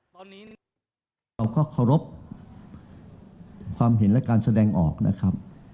ตอนนี้เราก็เคารพความเห็นและการแสดงออกนะครับ